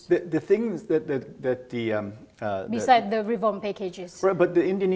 selain pakaian reformasi